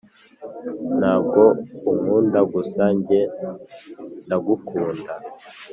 ntabwo unkunda gusa njye ndagukunda